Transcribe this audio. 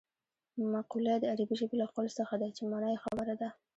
مقوله د عربي ژبې له قول څخه ده چې مانا یې خبره ده